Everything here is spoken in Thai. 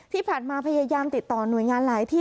ที่ผ่านมาพยายามติดต่อหน่วยงานหลายที่